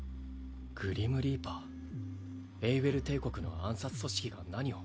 グリムリーパーエイウェル帝国の暗殺組織が何を？